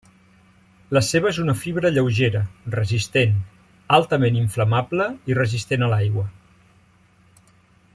La seva és una fibra lleugera, resistent, altament inflamable i resistent a l'aigua.